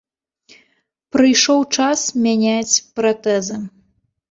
Прыйшоў час мяняць пратэзы.